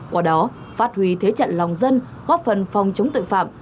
qua đó phát huy thế trận lòng dân góp phần phòng chống tội phạm